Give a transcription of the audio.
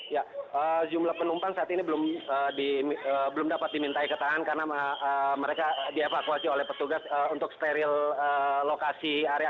ya jumlah penumpang saat ini belum dapat dimintai keterangan karena mereka dievakuasi oleh petugas untuk steril lokasi area